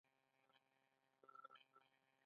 د کولون سرطان د کولمو سرطان دی.